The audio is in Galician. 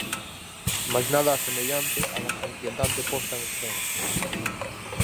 Mais nada á semellante, agás a inquietante posta en escena.